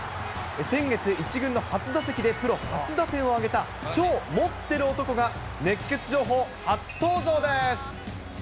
先月、１軍の初打席でプロ初打点を挙げた超持ってる男が熱ケツ情報初登場です。